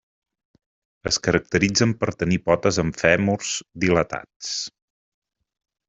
Es caracteritzen per tenir potes amb fèmurs dilatats.